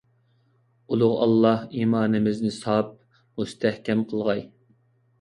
ئۇلۇغ ئاللاھ ئىمانىمىزنى ساپ، مۇستەھكەم قىلغاي!